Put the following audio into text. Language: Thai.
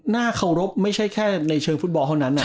เคารพไม่ใช่แค่ในเชิงฟุตบอลเท่านั้น